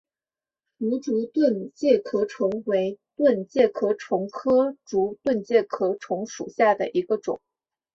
芦竹盾介壳虫为盾介壳虫科竹盾介壳虫属下的一个种。